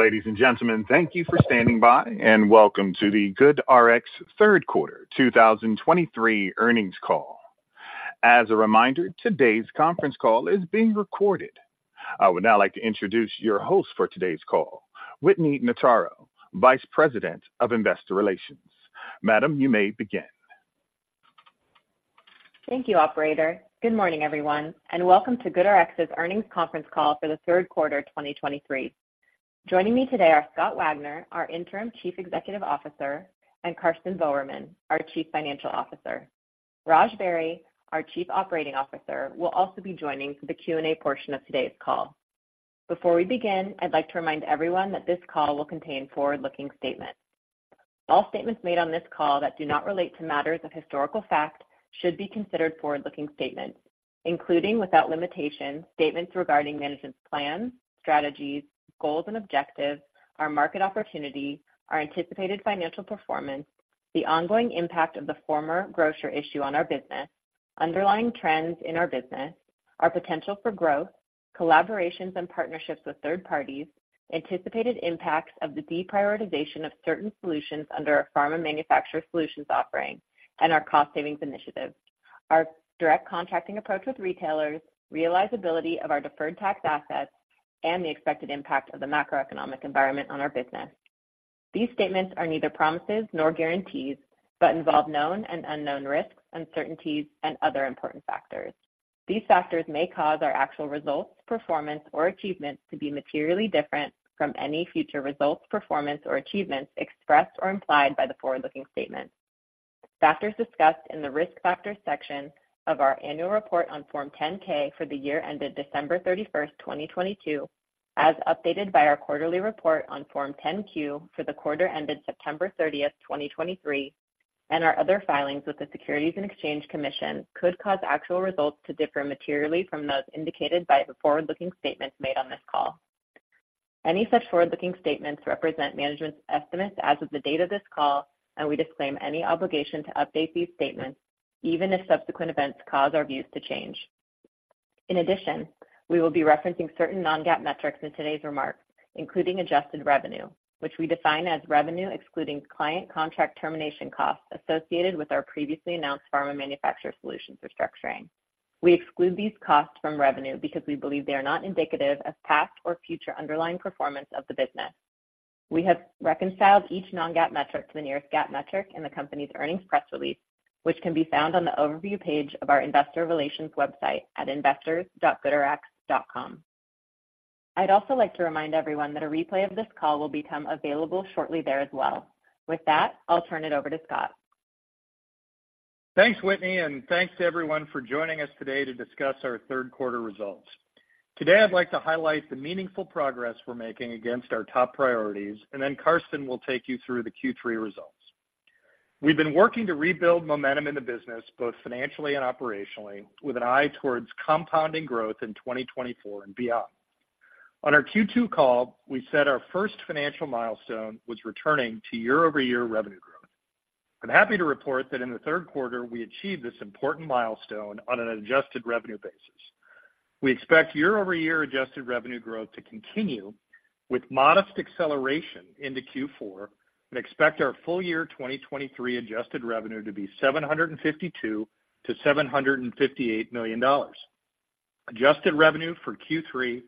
Ladies and gentlemen, thank you for standing by, and welcome to the GoodRx third quarter 2023 earnings call. As a reminder, today's conference call is being recorded. I would now like to introduce your host for today's call, Whitney Notaro, Vice President of Investor Relations. Madam, you may begin. Thank you, operator. Good morning, everyone, and welcome to GoodRx's earnings conference call for the third quarter of 2023. Joining me today are Scott Wagner, our Interim Chief Executive Officer, and Karsten Voermann, our Chief Financial Officer. Raj Beri, our Chief Operating Officer, will also be joining for the Q&A portion of today's call. Before we begin, I'd like to remind everyone that this call will contain forward-looking statements. All statements made on this call that do not relate to matters of historical fact should be considered forward-looking statements, including, without limitation, statements regarding management's plans, strategies, goals and objectives, our market opportunity, our anticipated financial performance, the ongoing impact of the former grocer issue on our business, underlying trends in our business, our potential for growth, collaborations and partnerships with third parties, anticipated impacts of the deprioritization of certain solutions under our pharma Manufacturer Solutions offering and our cost savings initiatives, our direct contracting approach with retailers, realizability of our deferred tax assets, and the expected impact of the macroeconomic environment on our business. These statements are neither promises nor guarantees, but involve known and unknown risks, uncertainties, and other important factors. These factors may cause our actual results, performance, or achievements to be materially different from any future results, performance, or achievements expressed or implied by the forward-looking statements. Factors discussed in the Risk Factors section of our annual report on Form 10-K for the year ended December 31, 2022, as updated by our quarterly report on Form 10-Q for the quarter ended September 30, 2023, and our other filings with the Securities and Exchange Commission, could cause actual results to differ materially from those indicated by the forward-looking statements made on this call. Any such forward-looking statements represent management's estimates as of the date of this call, and we disclaim any obligation to update these statements, even if subsequent events cause our views to change. In addition, we will be referencing certain non-GAAP metrics in today's remarks, including adjusted revenue, which we define as revenue excluding client contract termination costs associated with our previously announced pharma Manufacturer Solutions restructuring. We exclude these costs from revenue because we believe they are not indicative of past or future underlying performance of the business. We have reconciled each non-GAAP metric to the nearest GAAP metric in the company's earnings press release, which can be found on the overview page of our investor relations website at investors.goodrx.com. I'd also like to remind everyone that a replay of this call will become available shortly there as well. With that, I'll turn it over to Scott. Thanks, Whitney, and thanks to everyone for joining us today to discuss our third quarter results. Today, I'd like to highlight the meaningful progress we're making against our top priorities, and then Karsten will take you through the Q3 results. We've been working to rebuild momentum in the business, both financially and operationally, with an eye towards compounding growth in 2024 and beyond. On our Q2 call, we said our first financial milestone was returning to year-over-year revenue growth. I'm happy to report that in the third quarter, we achieved this important milestone on an adjusted revenue basis. We expect year-over-year adjusted revenue growth to continue with modest acceleration into Q4 and expect our full year 2023 adjusted revenue to be $752 million-$758 million. Adjusted Revenue for Q3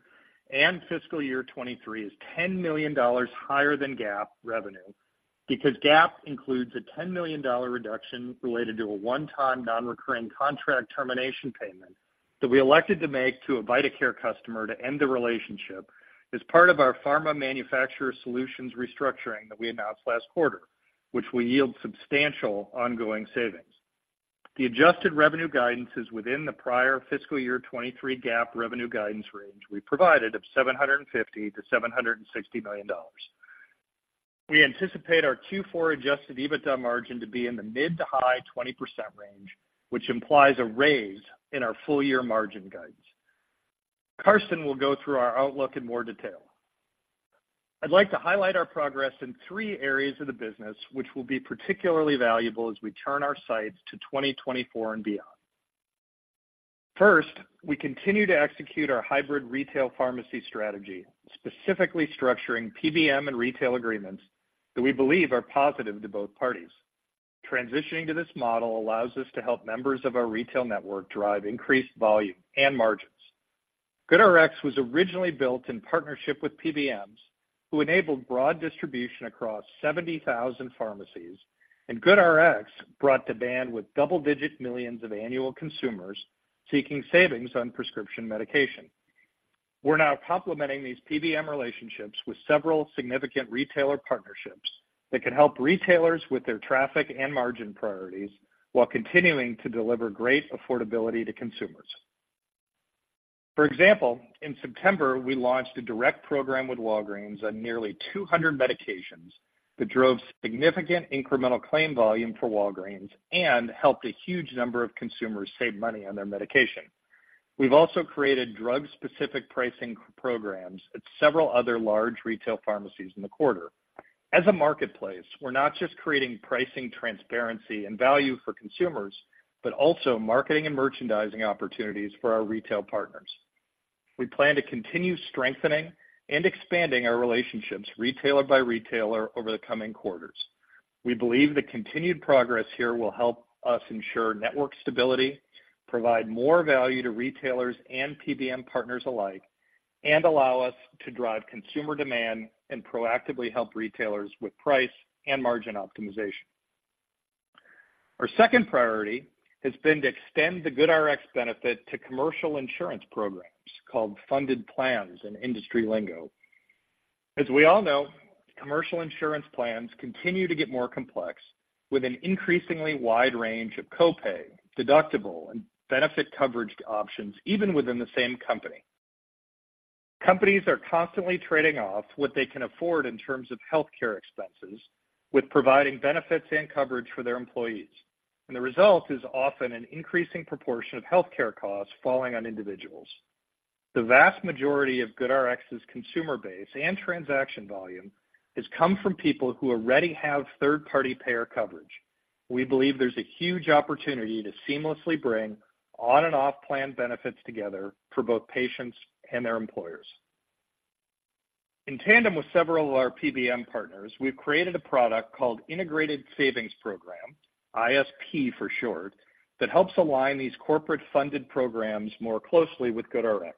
and fiscal year 2023 is $10 million higher than GAAP revenue because GAAP includes a $10 million reduction related to a one-time, non-recurring contract termination payment that we elected to make to a vitaCare customer to end the relationship as part of our pharma Manufacturer Solutions restructuring that we announced last quarter, which will yield substantial ongoing savings. The Adjusted Revenue guidance is within the prior fiscal year 2023 GAAP revenue guidance range we provided of $750 million-$760 million. We anticipate our Q4 Adjusted EBITDA margin to be in the mid- to high-20% range, which implies a raise in our full year margin guidance. Karsten will go through our outlook in more detail. I'd like to highlight our progress in three areas of the business, which will be particularly valuable as we turn our sights to 2024 and beyond. First, we continue to execute our hybrid retail pharmacy strategy, specifically structuring PBM and retail agreements that we believe are positive to both parties. Transitioning to this model allows us to help members of our retail network drive increased volume and margins. GoodRx was originally built in partnership with PBMs, who enabled broad distribution across 70,000 pharmacies, and GoodRx brought to the table with double-digit millions of annual consumers seeking savings on prescription medication. We're now complementing these PBM relationships with several significant retailer partnerships that can help retailers with their traffic and margin priorities while continuing to deliver great affordability to consumers. For example, in September, we launched a direct program with Walgreens on nearly 200 medications that drove significant incremental claim volume for Walgreens and helped a huge number of consumers save money on their medication. We've also created drug-specific pricing programs at several other large retail pharmacies in the quarter.... As a marketplace, we're not just creating pricing, transparency, and value for consumers, but also marketing and merchandising opportunities for our retail partners. We plan to continue strengthening and expanding our relationships, retailer by retailer, over the coming quarters. We believe the continued progress here will help us ensure network stability, provide more value to retailers and PBM partners alike, and allow us to drive consumer demand and proactively help retailers with price and margin optimization. Our second priority has been to extend the GoodRx benefit to commercial insurance programs, called funded plans, in industry lingo. As we all know, commercial insurance plans continue to get more complex, with an increasingly wide range of copay, deductible, and benefit coverage options, even within the same company. Companies are constantly trading off what they can afford in terms of healthcare expenses, with providing benefits and coverage for their employees, and the result is often an increasing proportion of healthcare costs falling on individuals. The vast majority of GoodRx's consumer base and transaction volume has come from people who already have third-party payer coverage. We believe there's a huge opportunity to seamlessly bring on and off plan benefits together for both patients and their employers. In tandem with several of our PBM partners, we've created a product called Integrated Savings Program, ISP for short, that helps align these corporate-funded programs more closely with GoodRx.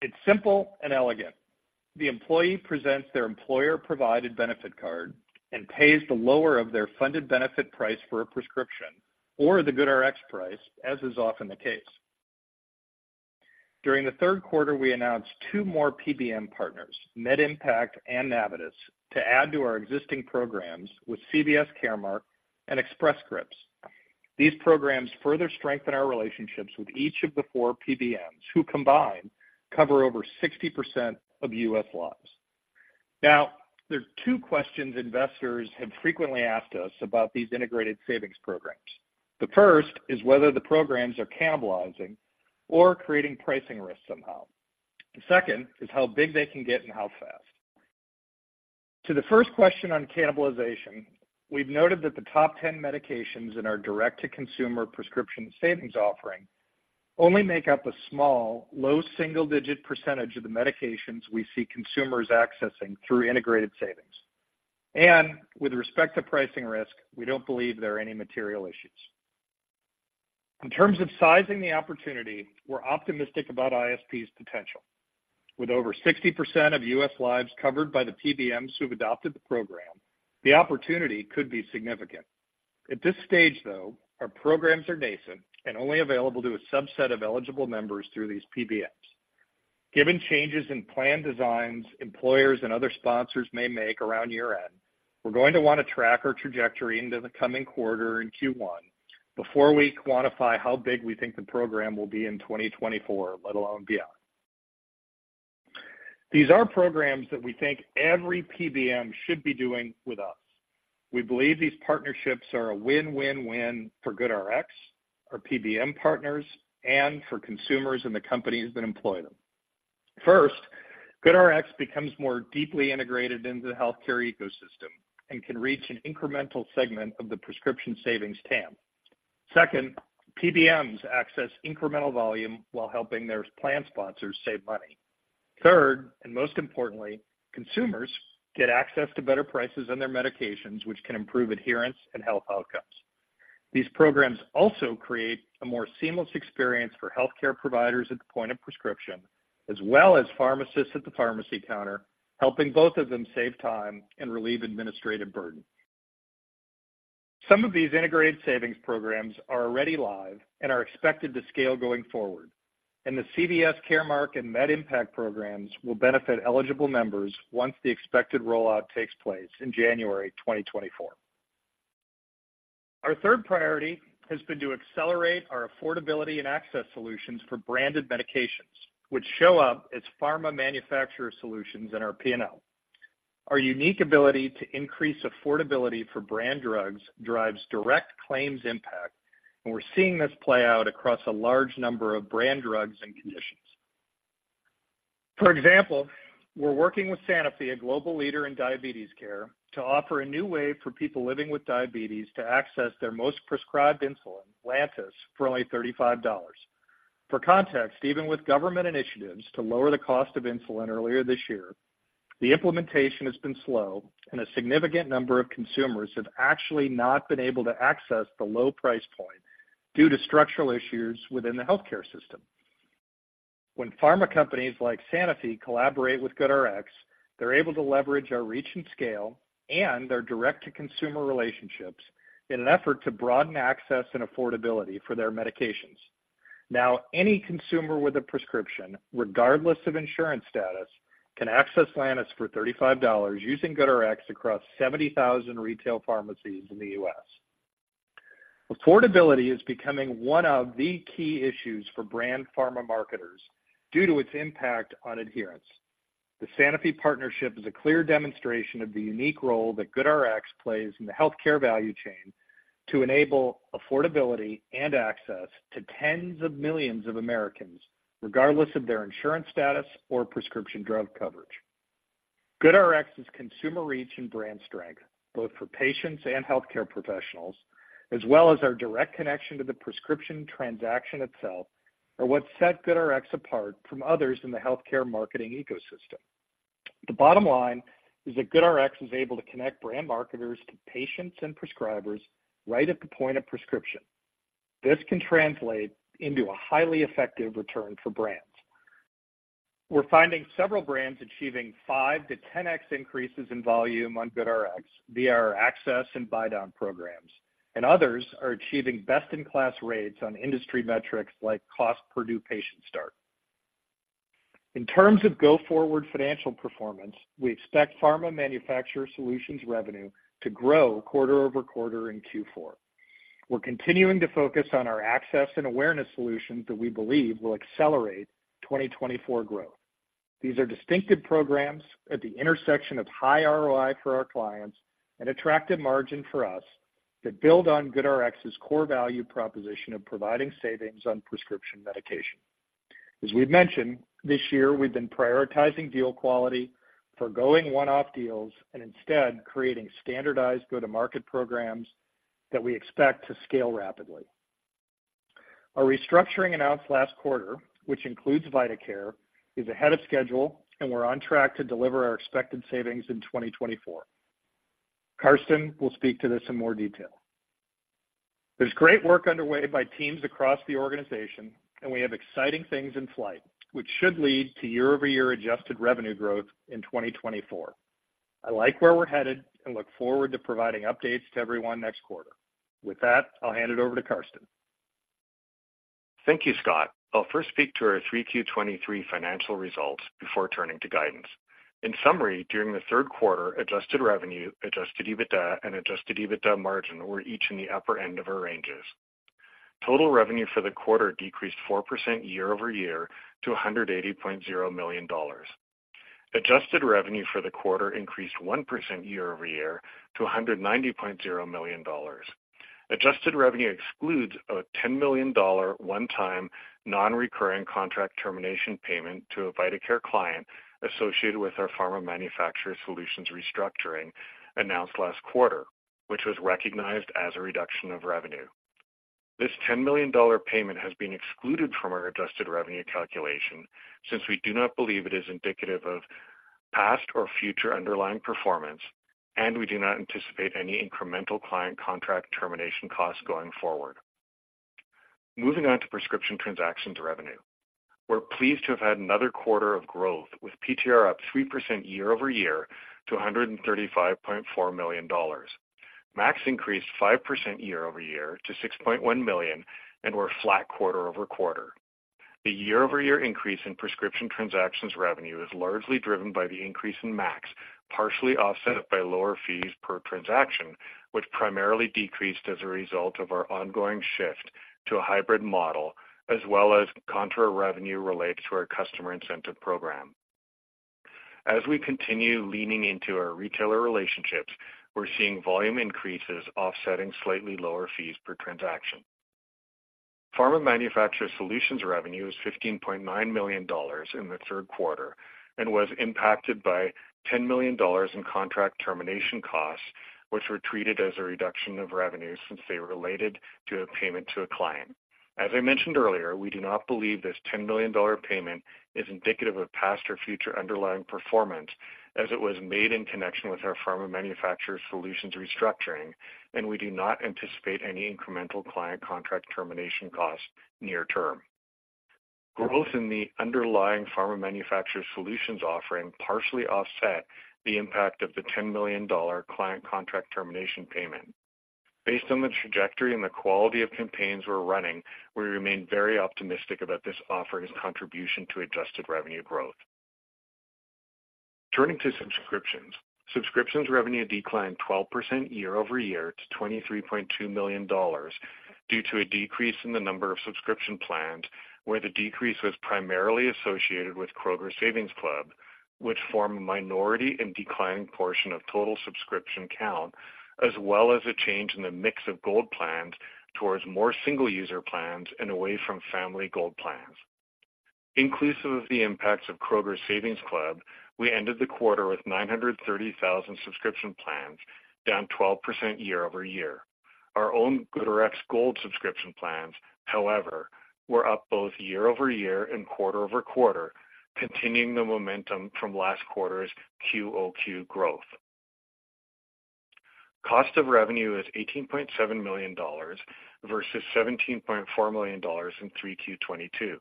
It's simple and elegant. The employee presents their employer-provided benefit card and pays the lower of their funded benefit price for a prescription, or the GoodRx price, as is often the case. During the third quarter, we announced 2 more PBM partners, MedImpact and Navitus, to add to our existing programs with CVS Caremark and Express Scripts. These programs further strengthen our relationships with each of the 4 PBMs, who combined, cover over 60% of U.S. lives. Now, there are 2 questions investors have frequently asked us about these integrated savings programs. The first is whether the programs are cannibalizing or creating pricing risks somehow. The second is how big they can get and how fast. To the first question on cannibalization, we've noted that the top 10 medications in our direct-to-consumer prescription savings offering only make up a small, low single-digit % of the medications we see consumers accessing through integrated savings. With respect to pricing risk, we don't believe there are any material issues. In terms of sizing the opportunity, we're optimistic about ISP's potential. With over 60% of U.S. lives covered by the PBMs who've adopted the program, the opportunity could be significant. At this stage, though, our programs are nascent and only available to a subset of eligible members through these PBMs. Given changes in plan designs, employers, and other sponsors may make around year-end, we're going to want to track our trajectory into the coming quarter in Q1, before we quantify how big we think the program will be in 2024, let alone beyond. These are programs that we think every PBM should be doing with us. We believe these partnerships are a win-win-win for GoodRx, our PBM partners, and for consumers and the companies that employ them. First, GoodRx becomes more deeply integrated into the healthcare ecosystem and can reach an incremental segment of the prescription savings TAM. Second, PBMs access incremental volume while helping their plan sponsors save money. Third, and most importantly, consumers get access to better prices on their medications, which can improve adherence and health outcomes. These programs also create a more seamless experience for healthcare providers at the point of prescription, as well as pharmacists at the pharmacy counter, helping both of them save time and relieve administrative burden. Some of these integrated savings programs are already live and are expected to scale going forward, and the CVS Caremark and MedImpact programs will benefit eligible members once the expected rollout takes place in January 2024. Our third priority has been to accelerate our affordability and access solutions for branded medications, which show up as pharma Manufacturer Solutions in our P&L. Our unique ability to increase affordability for brand drugs drives direct claims impact, and we're seeing this play out across a large number of brand drugs and conditions. For example, we're working with Sanofi, a global leader in diabetes care, to offer a new way for people living with diabetes to access their most prescribed insulin, Lantus, for only $35. For context, even with government initiatives to lower the cost of insulin earlier this year, the implementation has been slow, and a significant number of consumers have actually not been able to access the low price point due to structural issues within the healthcare system. When pharma companies like Sanofi collaborate with GoodRx, they're able to leverage our reach and scale and their direct-to-consumer relationships in an effort to broaden access and affordability for their medications. Now, any consumer with a prescription, regardless of insurance status, can access Lantus for $35 using GoodRx across 70,000 retail pharmacies in the U.S. Affordability is becoming one of the key issues for brand pharma marketers due to its impact on adherence. The Sanofi partnership is a clear demonstration of the unique role that GoodRx plays in the healthcare value chain, to enable affordability and access to tens of millions of Americans, regardless of their insurance status or prescription drug coverage. GoodRx's consumer reach and brand strength, both for patients and healthcare professionals, as well as our direct connection to the prescription transaction itself, are what set GoodRx apart from others in the healthcare marketing ecosystem. The bottom line is that GoodRx is able to connect brand marketers to patients and prescribers right at the point of prescription. This can translate into a highly effective return for brands. We're finding several brands achieving 5-10x increases in volume on GoodRx via our access and buydown programs, and others are achieving best-in-class rates on industry metrics like cost per new patient start. In terms of go forward financial performance, we expect Pharma Manufacturer Solutions revenue to grow quarter-over-quarter in Q4. We're continuing to focus on our access and awareness solutions that we believe will accelerate 2024 growth. These are distinctive programs at the intersection of high ROI for our clients and attractive margin for us, that build on GoodRx's core value proposition of providing savings on prescription medication. As we've mentioned, this year, we've been prioritizing deal quality for going one-off deals and instead creating standardized go-to-market programs that we expect to scale rapidly. Our restructuring announced last quarter, which includes vitaCare, is ahead of schedule, and we're on track to deliver our expected savings in 2024. Karsten will speak to this in more detail. There's great work underway by teams across the organization, and we have exciting things in flight, which should lead to year-over-year adjusted revenue growth in 2024. I like where we're headed and look forward to providing updates to everyone next quarter. With that, I'll hand it over to Karsten. Thank you, Scott. I'll first speak to our Q3 2023 financial results before turning to guidance. In summary, during the third quarter, Adjusted Revenue, Adjusted EBITDA, and Adjusted EBITDA margin were each in the upper end of our ranges. Total revenue for the quarter decreased 4% year-over-year to $180.0 million. Adjusted Revenue for the quarter increased 1% year-over-year to $190.0 million. Adjusted Revenue excludes a $10 million one-time, non-recurring contract termination payment to a vitaCare client associated with our pharma Manufacturer Solutions restructuring announced last quarter, which was recognized as a reduction of revenue. This $10 million payment has been excluded from our Adjusted Revenue calculation since we do not believe it is indicative of past or future underlying performance, and we do not anticipate any incremental client contract termination costs going forward. Moving on to prescription transactions revenue. We're pleased to have had another quarter of growth, with PTR up 3% year-over-year to $135.4 million. MAC increased 5% year-over-year to 6.1 million, and we're flat quarter-over-quarter. The year-over-year increase in prescription transactions revenue is largely driven by the increase in MAC, partially offset by lower fees per transaction, which primarily decreased as a result of our ongoing shift to a hybrid model, as well as contra revenue related to our customer incentive program. As we continue leaning into our retailer relationships, we're seeing volume increases offsetting slightly lower fees per transaction. Pharma Manufacturer Solutions revenue is $15.9 million in the third quarter and was impacted by $10 million in contract termination costs, which were treated as a reduction of revenue since they were related to a payment to a client. As I mentioned earlier, we do not believe this $10 million payment is indicative of past or future underlying performance, as it was made in connection with our Pharma Manufacturer Solutions restructuring, and we do not anticipate any incremental client contract termination costs near term. Growth in the underlying Pharma Manufacturer Solutions offering partially offset the impact of the $10 million client contract termination payment. Based on the trajectory and the quality of campaigns we're running, we remain very optimistic about this offering's contribution to adjusted revenue growth. Turning to subscriptions. Subscriptions revenue declined 12% year-over-year to $23.2 million, due to a decrease in the number of subscription plans, where the decrease was primarily associated with Kroger Savings Club, which form a minority and declining portion of total subscription count, as well as a change in the mix of Gold plans towards more single user plans and away from Family Gold plans. Inclusive of the impacts of Kroger Savings Club, we ended the quarter with 930,000 subscription plans, down 12% year-over-year. Our own GoodRx Gold subscription plans, however, were up both year-over-year and quarter-over-quarter, continuing the momentum from last quarter's QOQ growth. Cost of revenue is $18.7 million versus $17.4 million in 3Q22.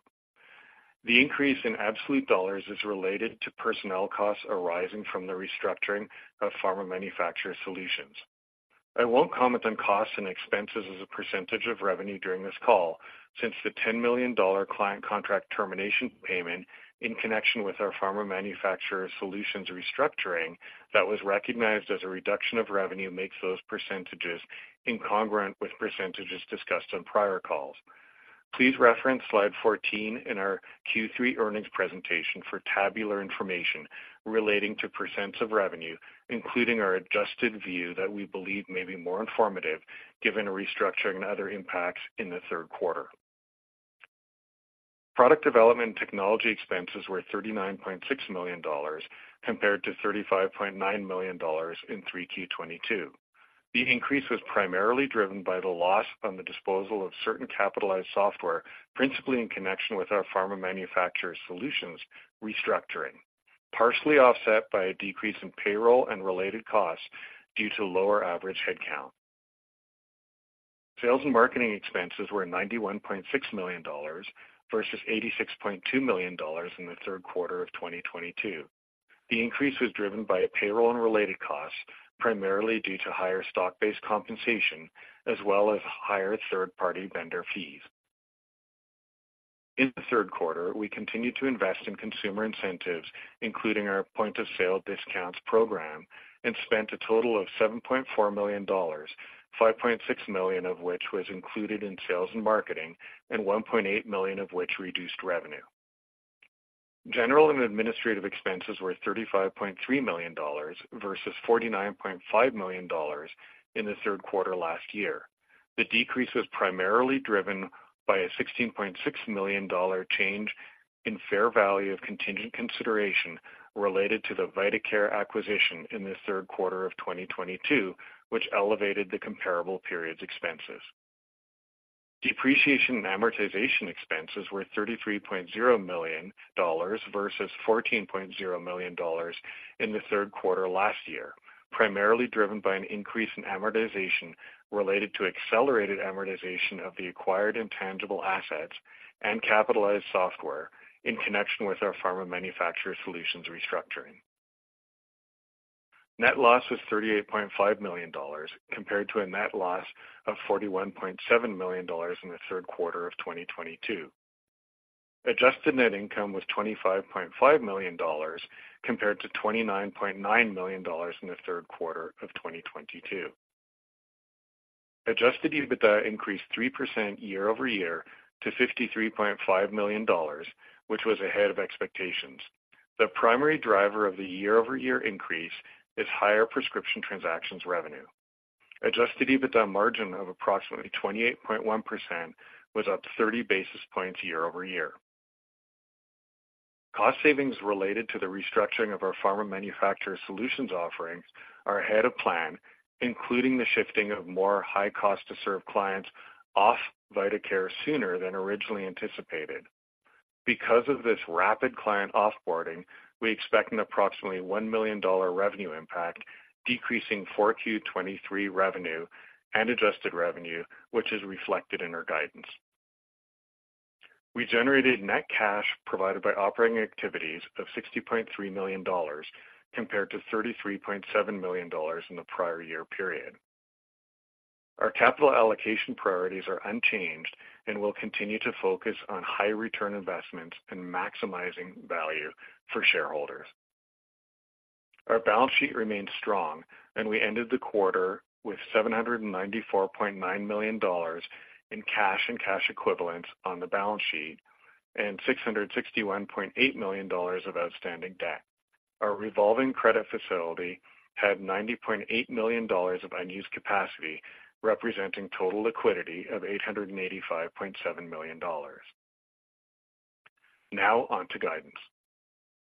The increase in absolute dollars is related to personnel costs arising from the restructuring of Pharma Manufacturer Solutions. I won't comment on costs and expenses as a percentage of revenue during this call, since the $10 million client contract termination payment in connection with our Pharma Manufacturer Solutions restructuring that was recognized as a reduction of revenue, makes those percentages incongruent with percentages discussed on prior calls. Please reference slide 14 in our Q3 earnings presentation for tabular information relating to percents of revenue, including our adjusted view that we believe may be more informative, given a restructuring and other impacts in the third quarter. Product development and technology expenses were $39.6 million, compared to $35.9 million in 3Q22. The increase was primarily driven by the loss on the disposal of certain capitalized software, principally in connection with our pharma Manufacturer Solutions restructuring, partially offset by a decrease in payroll and related costs due to lower average headcount. Sales and marketing expenses were $91.6 million versus $86.2 million in the third quarter of 2022. The increase was driven by a payroll and related costs, primarily due to higher stock-based compensation as well as higher third-party vendor fees. In the third quarter, we continued to invest in consumer incentives, including our point-of-sale discounts program, and spent a total of $7.4 million, $5.6 million of which was included in sales and marketing, and $1.8 million of which reduced revenue. General and administrative expenses were $35.3 million versus $49.5 million in the third quarter last year. The decrease was primarily driven by a $16.6 million change in fair value of contingent consideration related to the vitaCare acquisition in the third quarter of 2022, which elevated the comparable period's expenses. Depreciation and amortization expenses were $33.0 million versus $14.0 million in the third quarter last year, primarily driven by an increase in amortization related to accelerated amortization of the acquired intangible assets and capitalized software in connection with our pharma Manufacturer Solutions restructuring. Net loss was $38.5 million, compared to a net loss of $41.7 million in the third quarter of 2022. Adjusted net income was $25.5 million, compared to $29.9 million in the third quarter of 2022. Adjusted EBITDA increased 3% year-over-year to $53.5 million, which was ahead of expectations. The primary driver of the year-over-year increase is higher prescription transactions revenue. Adjusted EBITDA margin of approximately 28.1% was up 30 basis points year-over-year. Cost savings related to the restructuring of our pharma Manufacturer Solutions offerings are ahead of plan, including the shifting of more high cost to serve clients off vitaCare sooner than originally anticipated. Because of this rapid client off-boarding, we expect an approximately $1 million revenue impact, decreasing 4Q23 revenue and adjusted revenue, which is reflected in our guidance. We generated net cash provided by operating activities of $60.3 million, compared to $33.7 million in the prior year period. Our capital allocation priorities are unchanged, and we'll continue to focus on high return investments and maximizing value for shareholders. Our balance sheet remains strong, and we ended the quarter with $794.9 million in cash and cash equivalents on the balance sheet, and $661.8 million of outstanding debt. Our revolving credit facility had $90.8 million of unused capacity, representing total liquidity of $885.7 million. Now on to guidance.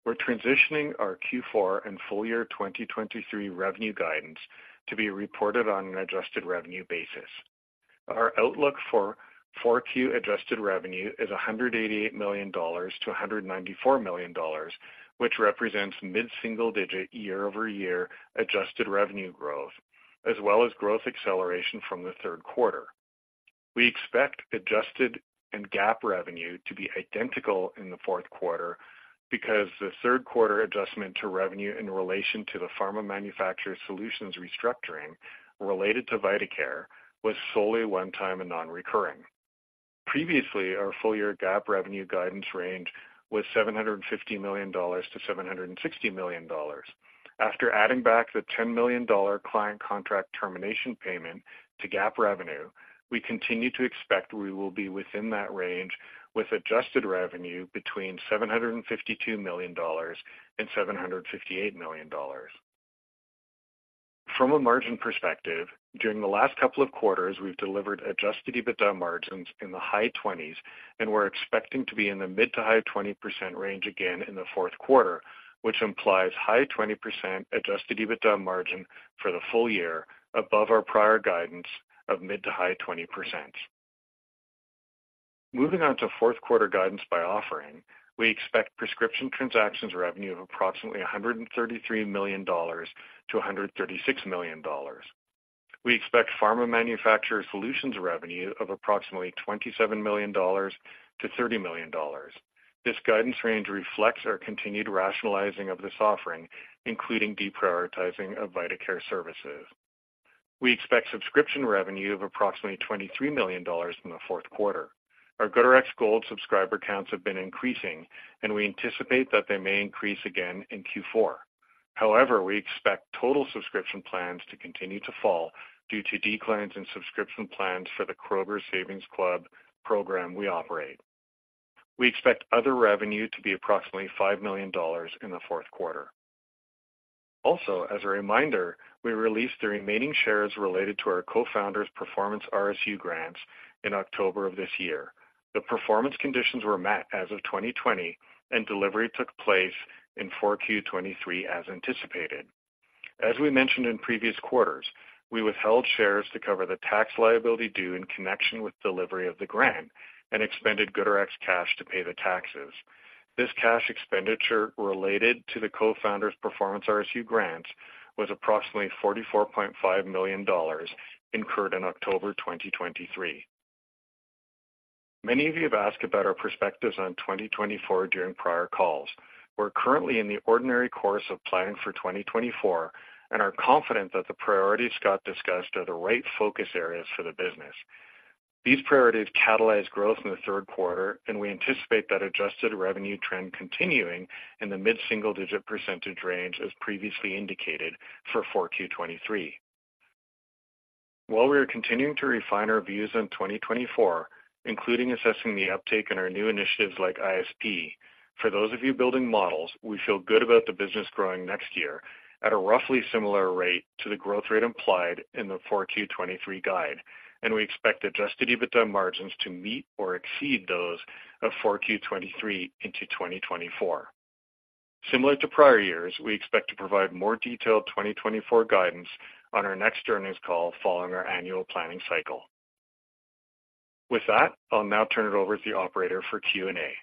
We're transitioning our Q4 and full year 2023 revenue guidance to be reported on an Adjusted Revenue basis. Our outlook for Q4 adjusted revenue is $188 million-$194 million, which represents mid-single digit year-over-year adjusted revenue growth, as well as growth acceleration from the third quarter. We expect adjusted and GAAP revenue to be identical in the fourth quarter because the third quarter adjustment to revenue in relation to the pharma Manufacturer Solutions restructuring related to vitaCare was solely one-time and non-recurring. Previously, our full year GAAP revenue guidance range was $750 million-$760 million. After adding back the $10 million client contract termination payment to GAAP revenue, we continue to expect we will be within that range, with adjusted revenue between $752 million and $758 million. From a margin perspective, during the last couple of quarters, we've delivered Adjusted EBITDA margins in the high 20s, and we're expecting to be in the mid- to high-20% range again in the fourth quarter, which implies high-20% Adjusted EBITDA margin for the full year, above our prior guidance of mid- to high-20%. Moving on to fourth quarter guidance by offering, we expect prescription transactions revenue of approximately $133 million-$136 million. We expect pharma Manufacturer Solutions revenue of approximately $27 million-$30 million. This guidance range reflects our continued rationalizing of this offering, including deprioritizing of vitaCare services. We expect subscription revenue of approximately $23 million in the fourth quarter. Our GoodRx Gold subscriber counts have been increasing, and we anticipate that they may increase again in Q4. However, we expect total subscription plans to continue to fall due to declines in subscription plans for the Kroger Savings Club program we operate. We expect other revenue to be approximately $5 million in the fourth quarter. Also, as a reminder, we released the remaining shares related to our co-founders' performance RSU grants in October of this year. The performance conditions were met as of 2020, and delivery took place in 4Q23, as anticipated. As we mentioned in previous quarters, we withheld shares to cover the tax liability due in connection with delivery of the grant and expended GoodRx cash to pay the taxes. This cash expenditure related to the co-founders' performance RSU grant was approximately $44.5 million, incurred in October 2023. Many of you have asked about our perspectives on 2024 during prior calls. We're currently in the ordinary course of planning for 2024 and are confident that the priorities Scott discussed are the right focus areas for the business. These priorities catalyzed growth in the third quarter, and we anticipate that adjusted revenue trend continuing in the mid-single-digit % range, as previously indicated for 4Q23. While we are continuing to refine our views on 2024, including assessing the uptake in our new initiatives like ISP, for those of you building models, we feel good about the business growing next year at a roughly similar rate to the growth rate implied in the 4Q23 guide, and we expect adjusted EBITDA margins to meet or exceed those of 4Q23 into 2024. Similar to prior years, we expect to provide more detailed 2024 guidance on our next earnings call following our annual planning cycle. With that, I'll now turn it over to the operator for Q&A.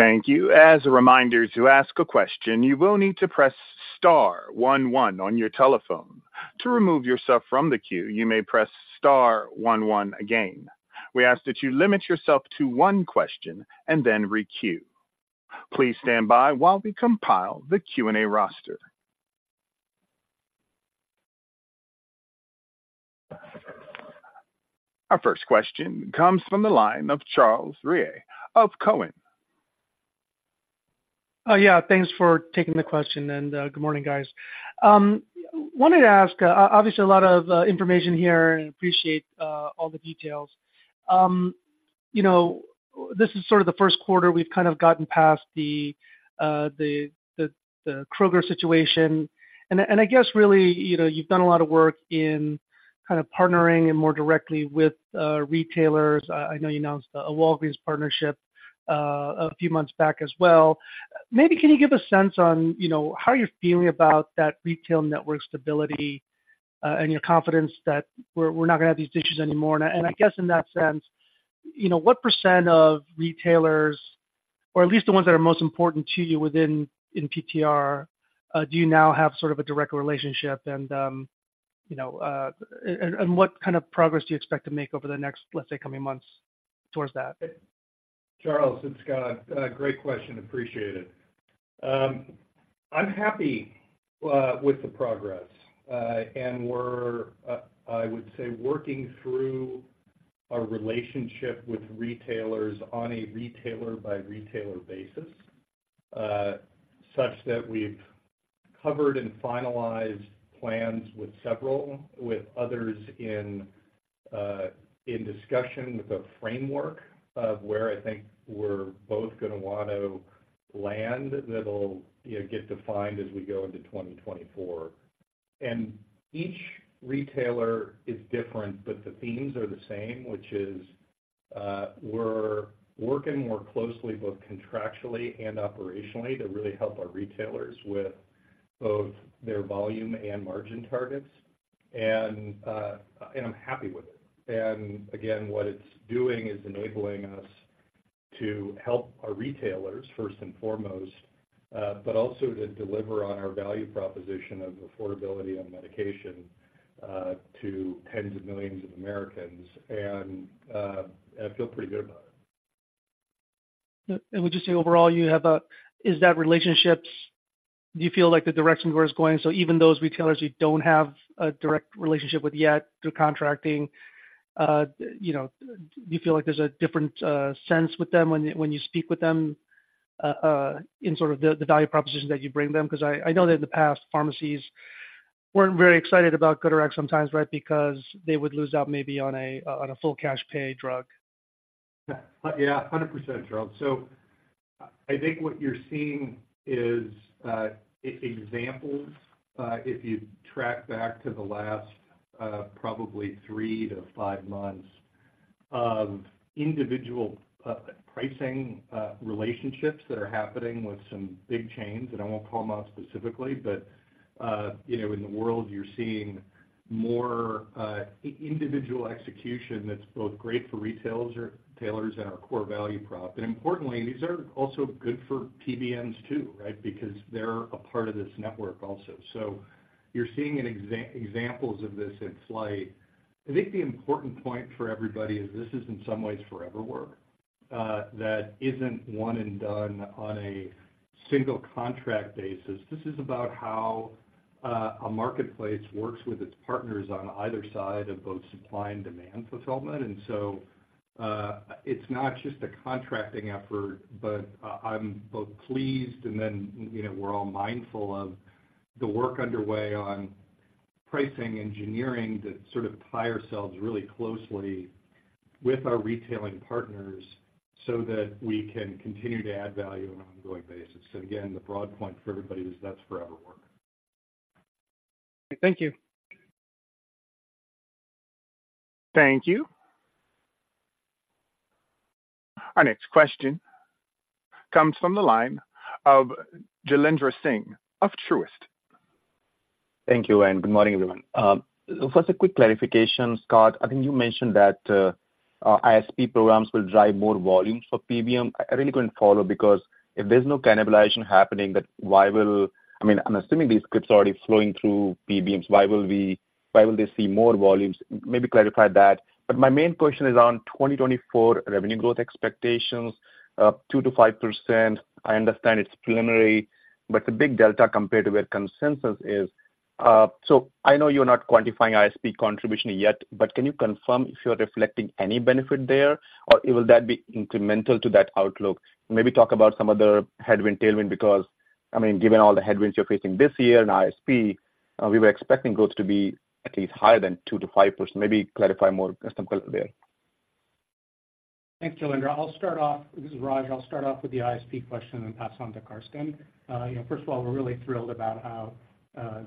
Thank you. As a reminder, to ask a question, you will need to press * one one on your telephone. To remove yourself from the queue, you may press * one one again. We ask that you limit yourself to one question and then requeue. Please stand by while we compile the Q&A roster. Our first question comes from the line of Charles Rhyee of Cowen. Yeah, thanks for taking the question, and good morning, guys. Wanted to ask, obviously, a lot of information here, and appreciate all the details. You know, this is sort of the first quarter we've kind of gotten past the Kroger situation. And I guess really, you know, you've done a lot of work in kind of partnering and more directly with retailers. I know you announced a Walgreens partnership a few months back as well. Maybe can you give a sense on, you know, how you're feeling about that retail network stability, and your confidence that we're not going to have these issues anymore? I guess in that sense, you know, what % of retailers, or at least the ones that are most important to you within, in PTR, do you now have sort of a direct relationship? You know, what kind of progress do you expect to make over the next, let's say, coming months towards that? Charles, it's Scott. Great question. Appreciate it. I'm happy with the progress. And we're, I would say, working through a relationship with retailers on a retailer-by-retailer basis, such that we've covered and finalized plans with several, with others in discussion with a framework of where I think we're both going to want to land. That'll, you know, get defined as we go into 2024. And each retailer is different, but the themes are the same, which is, we're working more closely, both contractually and operationally, to really help our retailers with both their volume and margin targets, and I'm happy with it. And again, what it's doing is enabling us to help our retailers first and foremost, but also to deliver on our value proposition of affordability on medication, to tens of millions of Americans, and I feel pretty good about it. Would you say overall, you have a is that relationships, do you feel like the direction where it's going? So even those retailers you don't have a direct relationship with yet through contracting, you know, do you feel like there's a different sense with them when you, when you speak with them in sort of the, the value proposition that you bring them? Because I, I know that in the past, pharmacies weren't very excited about GoodRx sometimes, right? Because they would lose out maybe on a, on a full cash pay drug. Yeah, 100%, Charles. So I think what you're seeing is examples, if you track back to the last probably three to five months of individual pricing relationships that are happening with some big chains, and I won't call them out specifically, but you know, in the world, you're seeing more individual execution that's both great for retailers or retailers and our core value prop. And importantly, these are also good for PBMs too, right? Because they're a part of this network also. So you're seeing examples of this in flight. I think the important point for everybody is this is in some ways forever work that isn't one and done on a single contract basis. This is about a marketplace works with its partners on either side of both supply and demand fulfillment. It's not just a contracting effort, but I'm both pleased and then, you know, we're all mindful of the work underway on pricing, engineering, that sort of tie ourselves really closely with our retailing partners so that we can continue to add value on an ongoing basis. So again, the broad point for everybody is that's forever work. Thank you. Thank you. Our next question comes from the line of Jailendra Singh of Truist. Thank you, and good morning, everyone. First, a quick clarification, Scott. I think you mentioned that our ISP programs will drive more volumes for PBM. I really couldn't follow, because if there's no cannibalization happening, then why will, I mean, I'm assuming these scripts are already flowing through PBMs. Why will we? Why will they see more volumes? Maybe clarify that. But my main question is on 2024 revenue growth expectations of 2%-5%. I understand it's preliminary, but the big delta compared to where consensus is, so I know you're not quantifying ISP contribution yet, but can you confirm if you're reflecting any benefit there, or will that be incremental to that outlook? Maybe talk about some other headwind, tailwind, because, I mean, given all the headwinds you're facing this year in ISP, we were expecting growth to be at least higher than 2%-5%. Maybe clarify more, some color there. Thanks, Jailendra. I'll start off... This is Raj. I'll start off with the ISP question, then pass on to Karsten. You know, first of all, we're really thrilled about how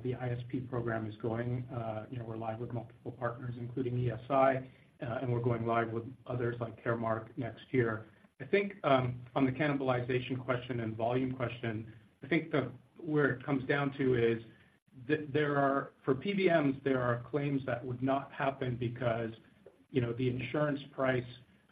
the ISP program is going. You know, we're live with multiple partners, including ESI, and we're going live with others, like Caremark, next year. I think, on the cannibalization question and volume question, I think the, where it comes down to is that there are-- for PBMs, there are claims that would not happen because, you know, the insurance price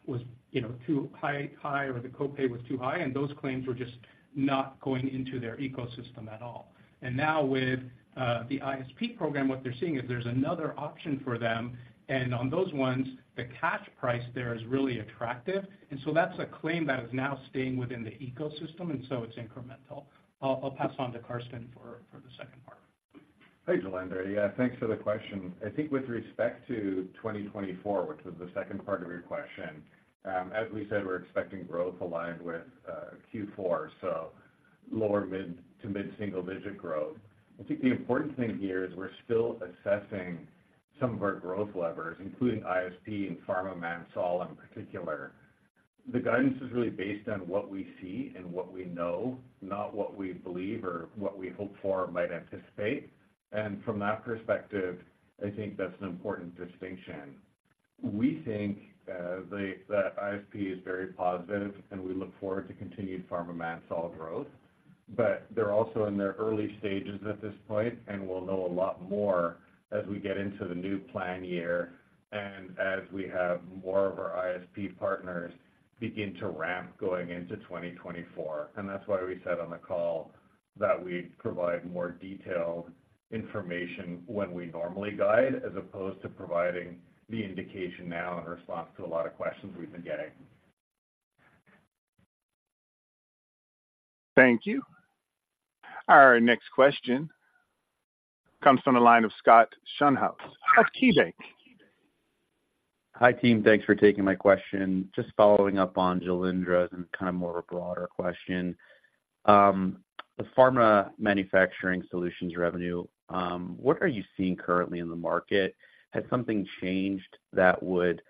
was, you know, too high, or the copay was too high, and those claims were just not going into their ecosystem at all. And now with the ISP program, what they're seeing is there's another option for them, and on those ones, the cash price there is really attractive. And so that's a claim that is now staying within the ecosystem, and so it's incremental. I'll pass on to Karsten for the second part. Hey, Jailendra. Yeah, thanks for the question. I think with respect to 2024, which was the second part of your question, as we said, we're expecting growth aligned with Q4, so lower mid- to mid-single-digit growth. I think the important thing here is we're still assessing some of our growth levers, including ISP and pharma Manufacturer Solutions in particular. The guidance is really based on what we see and what we know, not what we believe or what we hope for or might anticipate. And from that perspective, I think that's an important distinction. We think that ISP is very positive, and we look forward to continued pharma Manufacturer Solutions growth, but they're also in their early stages at this point, and we'll know a lot more as we get into the new plan year and as we have more of our ISP partners begin to ramp going into 2024. That's why we said on the call that we'd provide more detailed information when we normally guide, as opposed to providing the indication now in response to a lot of questions we've been getting. Thank you. Our next question comes from the line of Scott Schoenhaus of KeyBanc. Hi, team. Thanks for taking my question. Just following up on Jailendra and kind of more of a broader question. The pharma Manufacturer Solutions revenue, what are you seeing currently in the market? Has something changed that would,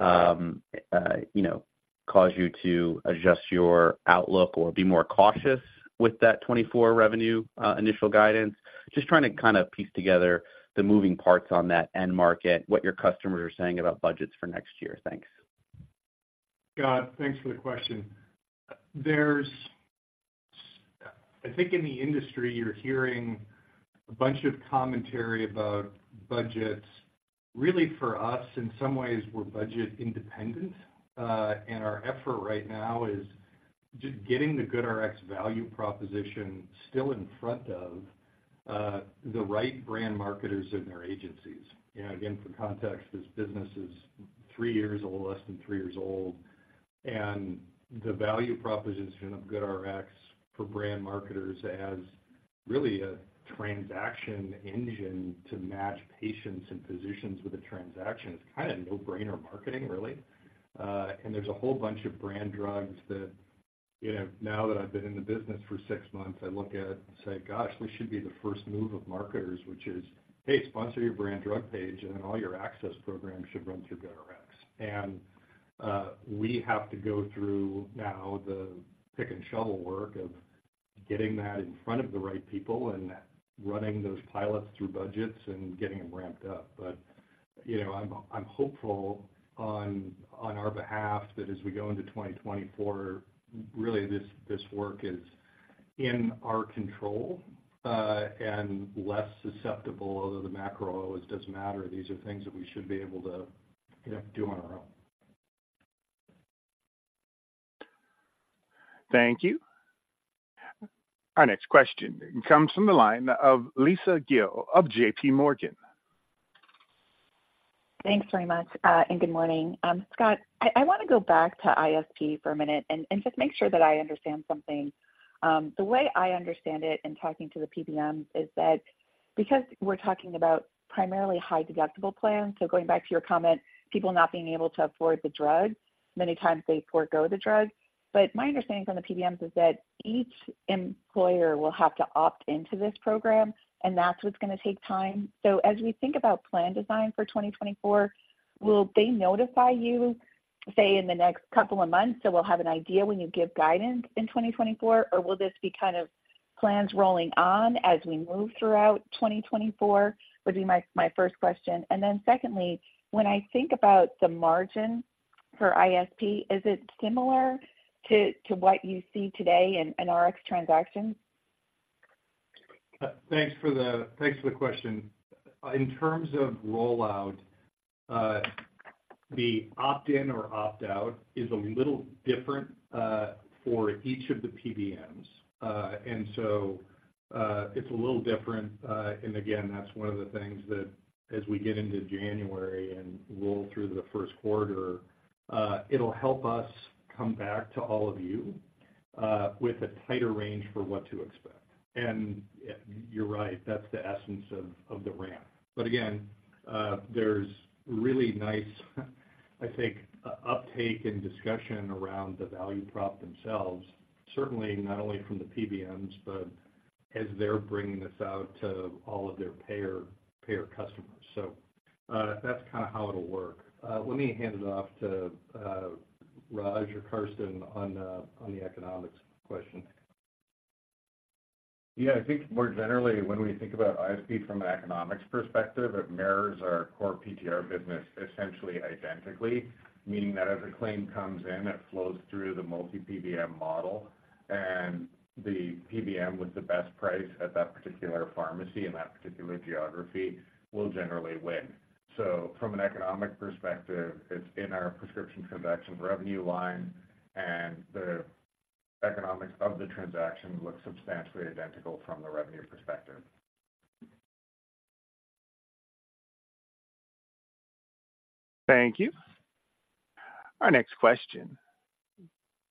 you know, cause you to adjust your outlook or be more cautious with that 2024 revenue initial guidance? Just trying to kind of piece together the moving parts on that end market, what your customers are saying about budgets for next year. Thanks. Scott, thanks for the question. There's, I think in the industry, you're hearing a bunch of commentary about budgets. Really, for us, in some ways, we're budget independent, and our effort right now is just getting the GoodRx value proposition still in front of the right brand marketers and their agencies. You know, again, for context, this business is three years old, less than three years old, and the value proposition of GoodRx for brand marketers is really a transaction engine to match patients and physicians with a transaction, is kind of no-brainer marketing, really. And there's a whole bunch of brand drugs that, you know, now that I've been in the business for six months, I look at and say, "Gosh, we should be the first move of marketers," which is, "Hey, sponsor your brand drug page, and then all your access programs should run through GoodRx." And we have to go through now the pick-and-shovel work of getting that in front of the right people and running those pilots through budgets and getting them ramped up. But, you know, I'm hopeful on our behalf that as we go into 2024, really, this work is in our control, and less susceptible, although the macro always does matter, these are things that we should be able to, you know, do on our own. Thank you. Our next question comes from the line of Lisa Gill of J.P. Morgan.... Thanks very much, and good morning. Scott, I want to go back to ISP for a minute and just make sure that I understand something. The way I understand it in talking to the PBMs is that because we're talking about primarily high deductible plans, so going back to your comment, people not being able to afford the drug, many times they forego the drug. But my understanding from the PBMs is that each employer will have to opt into this program, and that's what's going to take time. So as we think about plan design for 2024, will they notify you, say, in the next couple of months, so we'll have an idea when you give guidance in 2024? Or will this be kind of plans rolling on as we move throughout 2024? That would be my first question. And then secondly, when I think about the margin for ISP, is it similar to what you see today in Rx transactions? Thanks for the question. In terms of rollout, the opt-in or opt-out is a little different for each of the PBMs. And so, it's a little different, and again, that's one of the things that as we get into January and roll through the first quarter, it'll help us come back to all of you with a tighter range for what to expect. And you're right, that's the essence of the ramp. But again, there's really nice, I think, uptake and discussion around the value prop themselves, certainly not only from the PBMs, but as they're bringing this out to all of their payer customers. So, that's kind of how it'll work. Let me hand it off to Raj or Karsten on the economics question. Yeah, I think more generally, when we think about ISP from an economics perspective, it mirrors our core PTR business essentially identically, meaning that as a claim comes in, it flows through the multi PBM model, and the PBM with the best price at that particular pharmacy in that particular geography will generally win. So from an economic perspective, it's in our prescription transactions revenue line, and the economics of the transaction look substantially identical from the revenue perspective. Thank you. Our next question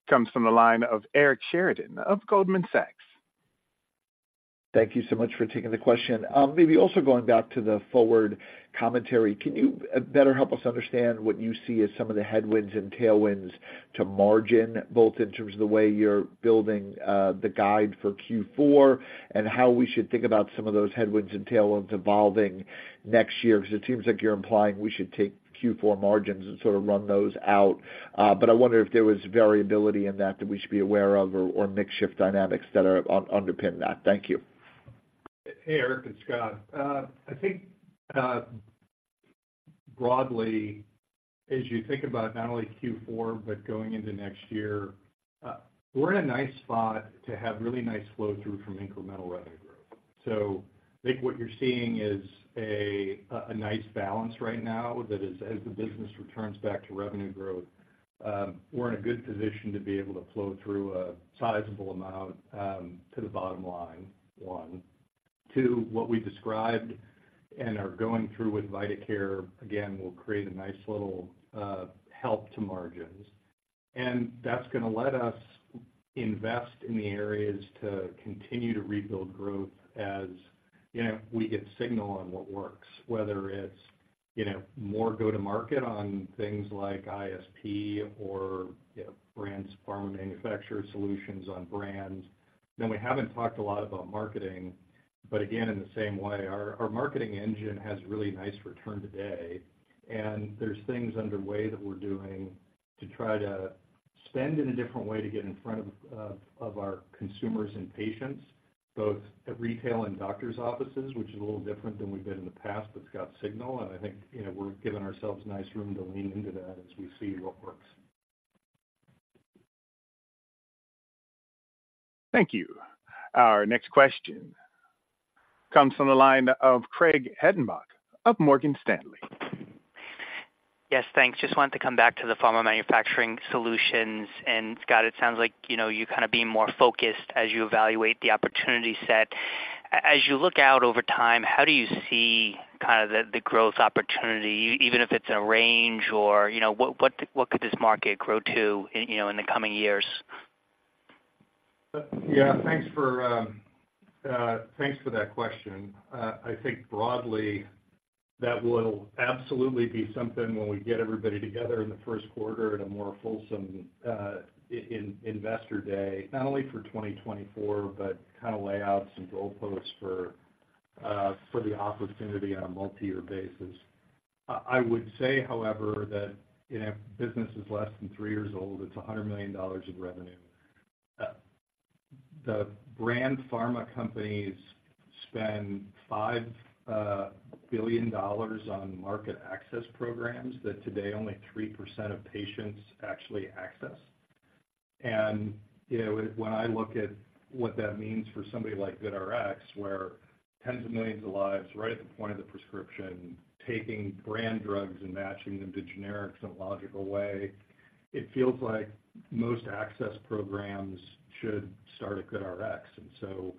comes from the line of Eric Sheridan of Goldman Sachs. Thank you so much for taking the question. Maybe also going back to the forward commentary, can you better help us understand what you see as some of the headwinds and tailwinds to margin, both in terms of the way you're building the guide for Q4, and how we should think about some of those headwinds and tailwinds evolving next year? Because it seems like you're implying we should take Q4 margins and sort of run those out. But I wonder if there was variability in that that we should be aware of or mix shift dynamics that underpin that. Thank you. Hey, Eric, it's Scott. I think, broadly, as you think about not only Q4, but going into next year, we're in a nice spot to have really nice flow-through from incremental revenue growth. So I think what you're seeing is a nice balance right now, that is, as the business returns back to revenue growth, we're in a good position to be able to flow through a sizable amount to the bottom line, one. Two, what we described and are going through with vitaCare, again, will create a nice little help to margins. And that's going to let us invest in the areas to continue to rebuild growth as, you know, we get signal on what works, whether it's, you know, more go-to-market on things like ISP or, you know, brands, pharma Manufacturer Solutions on brands. Then we haven't talked a lot about marketing, but again, in the same way, our marketing engine has really nice return today, and there's things underway that we're doing to try to spend in a different way to get in front of our consumers and patients, both at retail and doctor's offices, which is a little different than we've been in the past, but it's got signal, and I think, you know, we're giving ourselves nice room to lean into that as we see what works. Thank you. Our next question comes from the line of Craig Hettenbach of Morgan Stanley. Yes, thanks. Just wanted to come back to the pharma Manufacturer Solutions. And Scott, it sounds like, you know, you're kind of being more focused as you evaluate the opportunity set. As you look out over time, how do you see kind of the, the growth opportunity, even if it's a range or, you know, what, what, what could this market grow to, you know, in the coming years? Yeah. Thanks for that question. I think broadly, that will absolutely be something when we get everybody together in the first quarter at a more fulsome in Investor Day, not only for 2024, but kind of lay out some goalposts for the opportunity on a multi-year basis. I would say, however, that, you know, business is less than three years old. It's $100 million of revenue. The brand pharma companies spend $5 billion on market access programs that today only 3% of patients actually access. And, you know, when I look at what that means for somebody like GoodRx, where tens of millions of lives, right at the point of the prescription, taking brand drugs and matching them to generics in a logical way,... It feels like most access programs should start at GoodRx. And so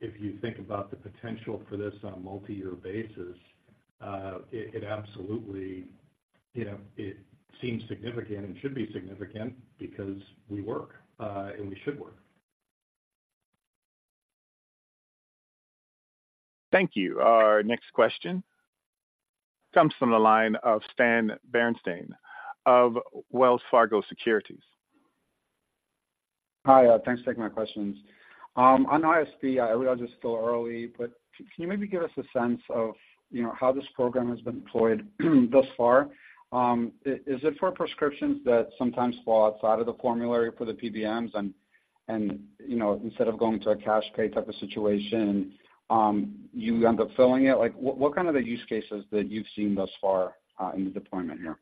if you think about the potential for this on a multi-year basis, it absolutely, you know, it seems significant and should be significant because we work, and we should work. Thank you. Our next question comes from the line of Stan Berenshteyn of Wells Fargo Securities. Hi, thanks for taking my questions. On ISP, I realize it's still early, but can you maybe give us a sense of, you know, how this program has been deployed thus far? Is, is it for prescriptions that sometimes fall outside of the formulary for the PBMs and, and, you know, instead of going to a cash pay type of situation, you end up filling it? Like, what, what kind of the use cases that you've seen thus far, in the deployment here?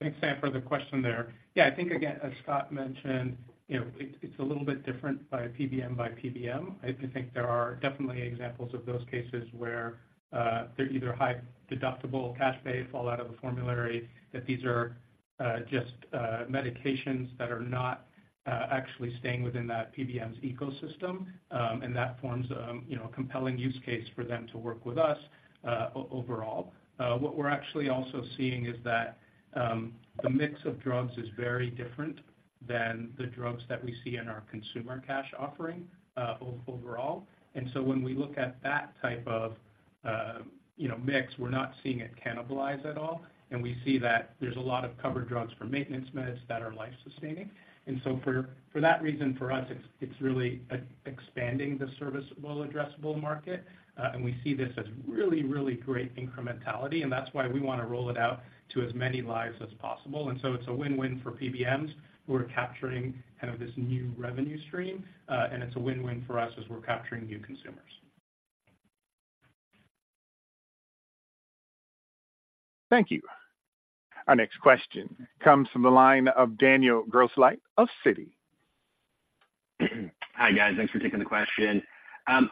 Thanks, Stan, for the question there. Yeah, I think, again, as Scott mentioned, you know, it, it's a little bit different by PBM by PBM. I think there are definitely examples of those cases where, they're either high deductible, cash pay, fall out of a formulary, that these are, just, medications that are not, actually staying within that PBM's ecosystem. And that forms a, you know, compelling use case for them to work with us, overall. What we're actually also seeing is that, the mix of drugs is very different than the drugs that we see in our consumer cash offering, overall. And so when we look at that type of, you know, mix, we're not seeing it cannibalized at all, and we see that there's a lot of covered drugs for maintenance meds that are life-sustaining. For that reason, for us, it's really expanding the serviceable addressable market, and we see this as really, really great incrementality, and that's why we want to roll it out to as many lives as possible. And so it's a win-win for PBMs, who are capturing kind of this new revenue stream, and it's a win-win for us as we're capturing new consumers. Thank you. Our next question comes from the line of Daniel Grosslight of Citi. Hi, guys. Thanks for taking the question.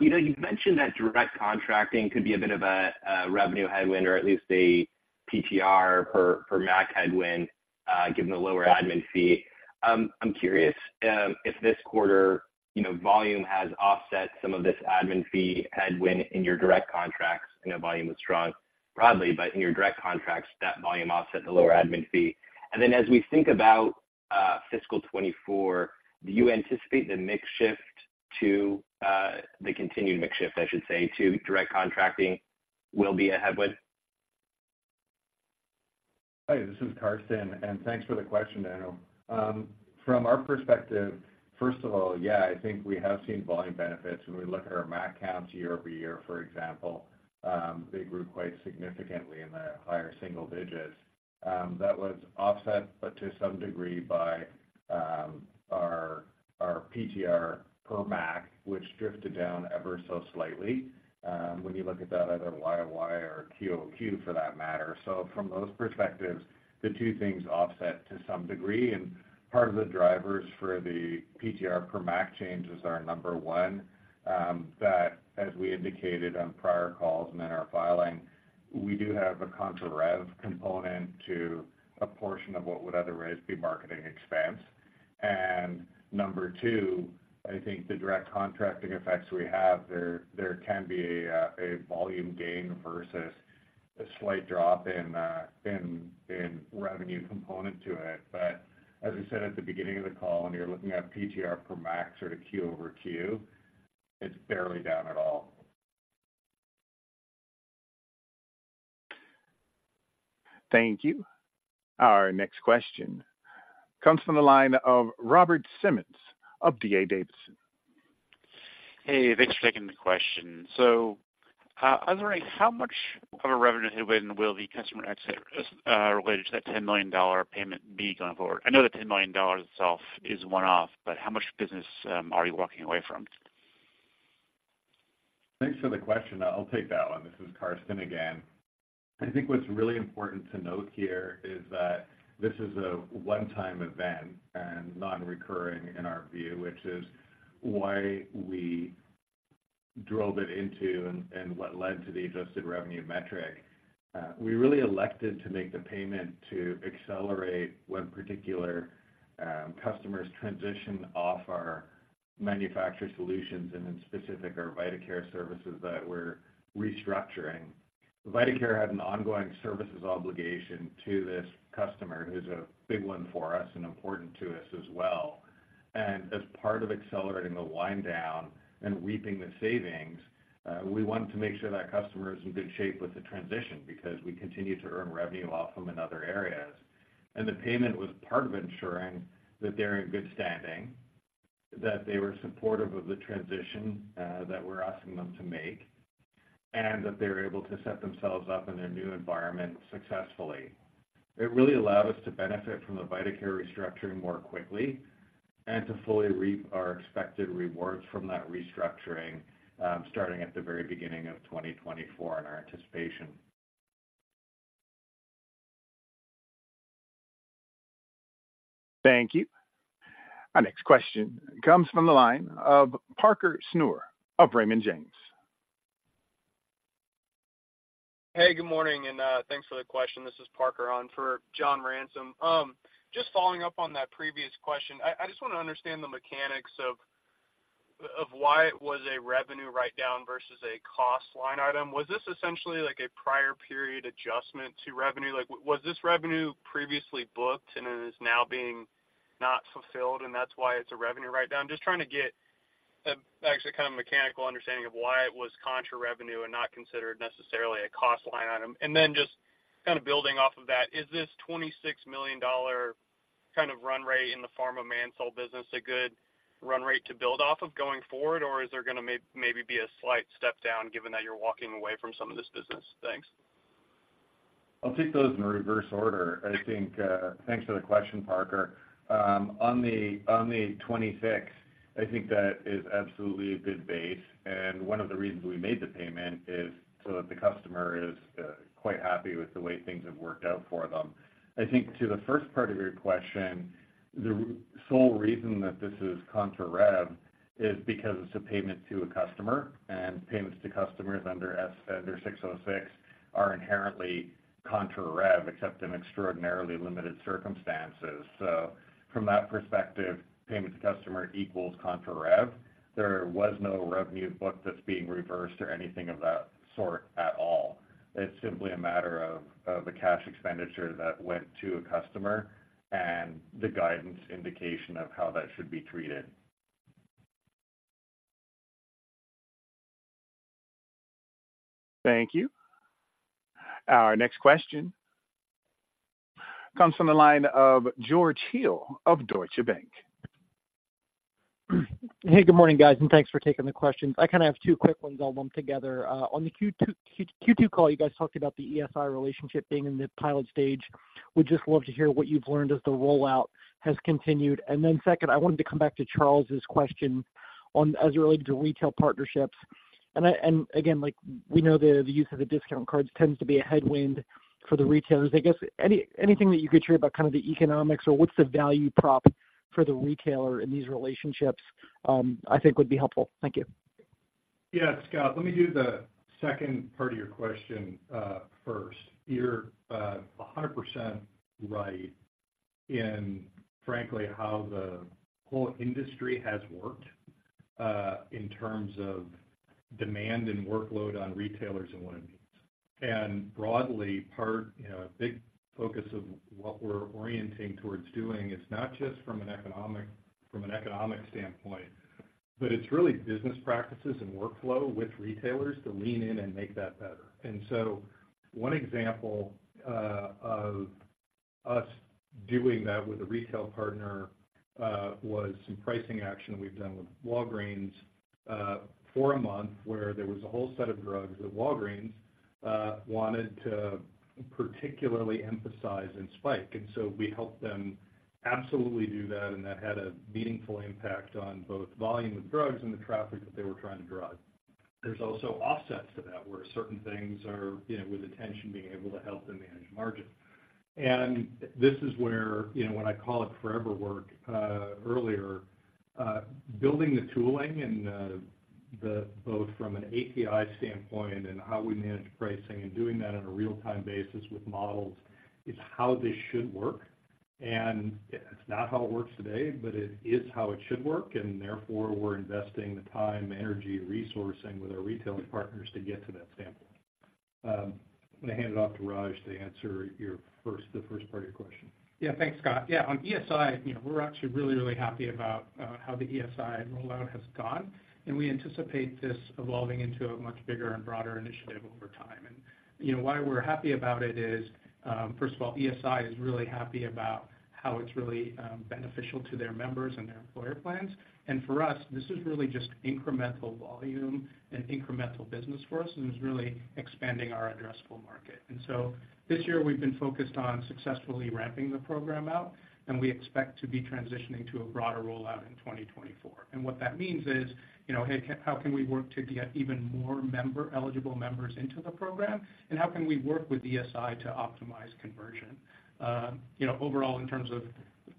You know, you've mentioned that direct contracting could be a bit of a, a revenue headwind, or at least a PTR per, per MAC headwind, given the lower admin fee. I'm curious, if this quarter, you know, volume has offset some of this admin fee headwind in your direct contracts. I know volume was strong broadly, but in your direct contracts, that volume offset the lower admin fee. And then, as we think about, fiscal 2024, do you anticipate the mix shift to, the continued mix shift, I should say, to direct contracting will be a headwind? Hi, this is Karsten, and thanks for the question, Daniel. From our perspective, first of all, yeah, I think we have seen volume benefits. When we look at our MAC counts year-over-year, for example, they grew quite significantly in the higher single digits. That was offset, but to some degree by our PTR per MAC, which drifted down ever so slightly, when you look at that either YOY or QOQ for that matter. So from those perspectives, the two things offset to some degree, and part of the drivers for the PTR per MAC changes are, number one, that, as we indicated on prior calls and in our filing, we do have a contra rev component to a portion of what would otherwise be marketing expense. Number two, I think the direct contracting effects we have there, there can be a volume gain versus a slight drop in revenue component to it. But as I said at the beginning of the call, when you're looking at PTR per MAC or the Q over Q, it's barely down at all. Thank you. Our next question comes from the line of Robert Simmons of D.A. Davidson. Hey, thanks for taking the question. So, I was wondering, how much of a revenue headwind will the customer exit, related to that $10 million payment be going forward? I know the $10 million itself is one-off, but how much business, are you walking away from? Thanks for the question. I'll take that one. This is Karsten again. I think what's really important to note here is that this is a one-time event and non-recurring in our view, which is why we drove it into and what led to the Adjusted Revenue metric. We really elected to make the payment to accelerate one particular customer's transition off our Manufacturer Solutions, and in specific, our vitaCare services that we're restructuring. vitaCare had an ongoing services obligation to this customer, who's a big one for us and important to us as well. And as part of accelerating the wind down and reaping the savings, we wanted to make sure that customer is in good shape with the transition because we continue to earn revenue off them in other areas. The payment was part of ensuring that they're in good standing, that they were supportive of the transition that we're asking them to make, and that they're able to set themselves up in their new environment successfully. It really allowed us to benefit from the vitaCare restructuring more quickly and to fully reap our expected rewards from that restructuring, starting at the very beginning of 2024 in our anticipation. Thank you. Our next question comes from the line of Parker Snure of Raymond James. Hey, good morning, and thanks for the question. This is Parker on for John Ransom. Just following up on that previous question, I just want to understand the mechanics of why it was a revenue write-down versus a cost line item. Was this essentially like a prior period adjustment to revenue? Like, was this revenue previously booked and it is now being not fulfilled, and that's why it's a revenue write-down? Just trying to get, actually, kind of a mechanical understanding of why it was contra revenue and not considered necessarily a cost line item. And then just kind of building off of that, is this $26 million kind of run rate in the pharma managed health business a good run rate to build off of going forward, or is there gonna maybe be a slight step down, given that you're walking away from some of this business? Thanks. I'll take those in reverse order. I think, thanks for the question, Parker. On the 26, I think that is absolutely a good base, and one of the reasons we made the payment is so that the customer is quite happy with the way things have worked out for them. I think to the first part of your question, the sole reason that this is contra rev is because it's a payment to a customer, and payments to customers under ASC 606 are inherently contra rev, except in extraordinarily limited circumstances. So from that perspective, payment to customer equals contra rev. There was no revenue booked that's being reversed or anything of that sort at all. It's simply a matter of the cash expenditure that went to a customer and the guidance indication of how that should be treated. Thank you. Our next question comes from the line of George Hill of Deutsche Bank. Hey, good morning, guys, and thanks for taking the questions. I kind of have two quick ones all lumped together. On the Q2 call, you guys talked about the ESI relationship being in the pilot stage. Would just love to hear what you've learned as the rollout has continued. And then second, I wanted to come back to Charles's question on, as it related to retail partnerships. And again, like, we know the use of the discount cards tends to be a headwind for the retailers. I guess, anything that you could share about kind of the economics or what's the value prop for the retailer in these relationships, I think would be helpful. Thank you. Yeah, Scott, let me do the second part of your question first. You're 100% right in, frankly, how the whole industry has worked in terms of demand and workload on retailers and what it means. And broadly, you know, a big focus of what we're orienting towards doing is not just from an economic, from an economic standpoint, but it's really business practices and workflow with retailers to lean in and make that better. And so one example of us doing that with a retail partner was some pricing action we've done with Walgreens for a month, where there was a whole set of drugs that Walgreens wanted to particularly emphasize and spike. So we helped them absolutely do that, and that had a meaningful impact on both volume of drugs and the traffic that they were trying to drive. There's also offsets to that, where certain things are, you know, with attention, being able to help them manage margin. This is where, you know, when I call it forever work earlier, building the tooling and both from an API standpoint and how we manage pricing and doing that on a real-time basis with models, is how this should work. It's not how it works today, but it is how it should work, and therefore, we're investing the time, energy, resourcing with our retail partners to get to that standpoint. I'm gonna hand it off to Raj to answer your first, the first part of your question. Yeah. Thanks, Scott. Yeah, on ESI, you know, we're actually really, really happy about how the ESI rollout has gone, and we anticipate this evolving into a much bigger and broader initiative over time. And, you know, why we're happy about it is, first of all, ESI is really happy about how it's really beneficial to their members and their employer plans. And for us, this is really just incremental volume and incremental business for us, and it's really expanding our addressable market. And so this year, we've been focused on successfully ramping the program out, and we expect to be transitioning to a broader rollout in 2024. And what that means is, you know, hey, how can we work to get even more eligible members into the program? And how can we work with ESI to optimize conversion? You know, overall, in terms of,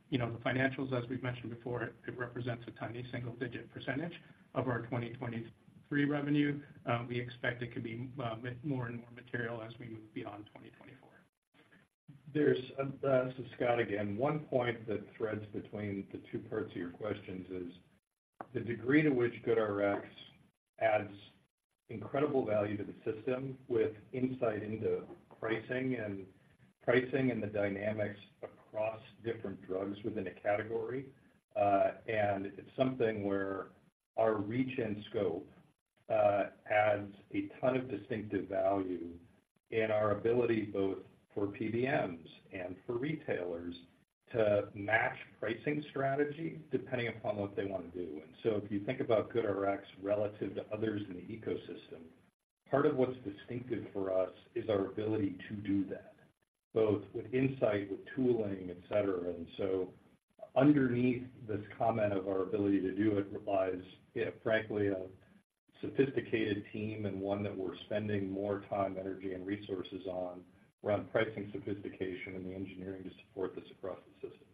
you know, the financials, as we've mentioned before, it represents a tiny single-digit % of our 2023 revenue. We expect it to be more and more material as we move beyond 2024. There's... This is Scott again. One point that threads between the two parts of your questions is, the degree to which GoodRx adds incredible value to the system with insight into pricing and pricing and the dynamics across different drugs within a category, and it's something where our reach and scope adds a ton of distinctive value in our ability, both for PBMs and for retailers, to match pricing strategy depending upon what they want to do. And so if you think about GoodRx relative to others in the ecosystem, part of what's distinctive for us is our ability to do that, both with insight, with tooling, et cetera. So underneath this comment of our ability to do it, relies, yeah, frankly, a sophisticated team and one that we're spending more time, energy, and resources on, around pricing sophistication and the engineering to support this across the system....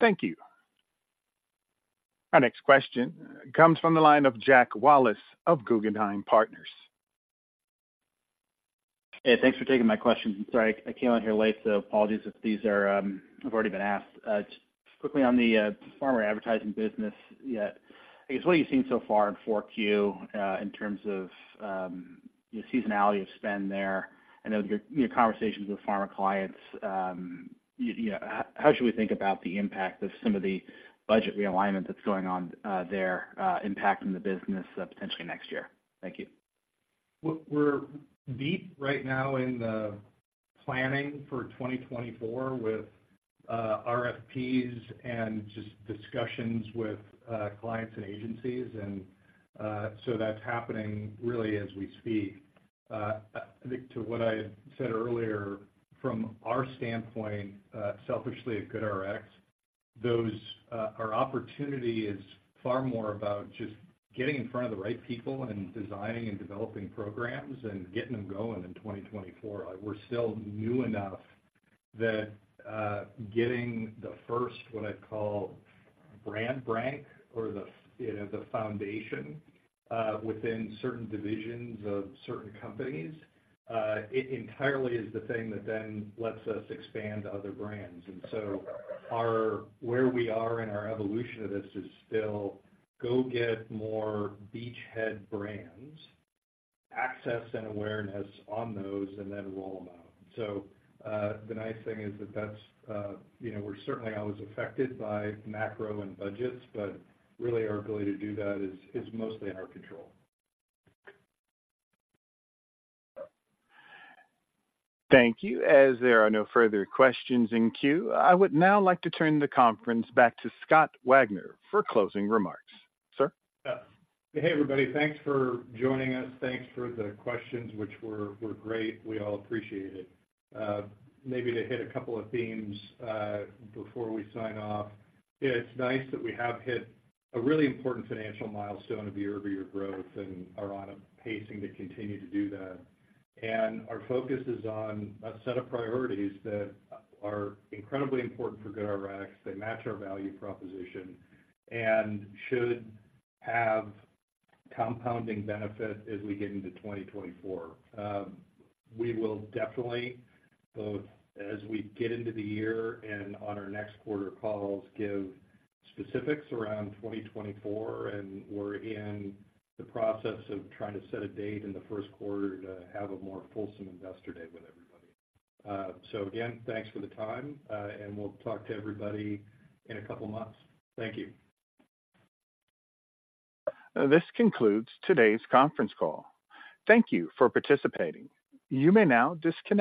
Thank you. Our next question comes from the line of Jack Wallace of Guggenheim Partners. Hey, thanks for taking my question. Sorry, I came on here late, so apologies if these are have already been asked. Just quickly on the pharma advertising business. Yeah, I guess, what you've seen so far in Q4, in terms of, you know, seasonality of spend there, I know your conversations with pharma clients, you know, how should we think about the impact of some of the budget realignment that's going on, there, impacting the business, potentially next year? Thank you. We're deep right now in the planning for 2024 with RFPs and just discussions with clients and agencies, and so that's happening really as we speak. I think to what I said earlier, from our standpoint, selfishly at GoodRx, those... Our opportunity is far more about just getting in front of the right people and designing and developing programs and getting them going in 2024. We're still new enough that getting the first, what I'd call brand plank or the, you know, the foundation, within certain divisions of certain companies, it entirely is the thing that then lets us expand to other brands. And so our, where we are in our evolution of this is still go get more beachhead brands, access and awareness on those, and then roll them out. The nice thing is that that's, you know, we're certainly always affected by macro and budgets, but really our ability to do that is mostly in our control. Thank you. As there are no further questions in queue, I would now like to turn the conference back to Scott Wagner for closing remarks. Sir? Yeah. Hey, everybody, thanks for joining us. Thanks for the questions, which were great. We all appreciate it. Maybe to hit a couple of themes before we sign off. It's nice that we have hit a really important financial milestone of year-over-year growth and are on a pacing to continue to do that. And our focus is on a set of priorities that are incredibly important for GoodRx. They match our value proposition and should have compounding benefit as we get into 2024. We will definitely, both as we get into the year and on our next quarter calls, give specifics around 2024, and we're in the process of trying to set a date in the first quarter to have a more fulsome investor day with everybody. So again, thanks for the time, and we'll talk to everybody in a couple of months. Thank you. This concludes today's conference call. Thank you for participating. You may now disconnect.